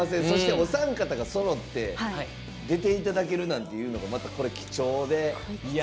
そして、お三方がそろって出ていただけるなんていうのが貴重で。